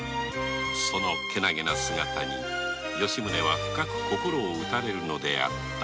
そのけなげな姿に吉宗は深く心を打たれるのであった